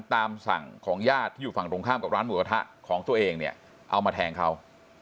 ตามสั่งของญาติที่อยู่ฝั่งตรงข้ามกับร้านหมูกระทะของตัวเองเนี่ยเอามาแทงเขา